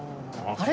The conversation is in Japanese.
あれ？